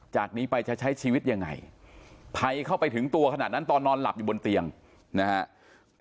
จากนี้ไปจะใช้ชีวิตยังไงภัยเข้าไปถึงตัวขนาดนั้นตอนนอนหลับอยู่บนเตียงนะฮะ